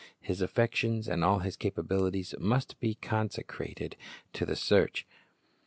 His affections and all his capabilities must be consecrated to the search.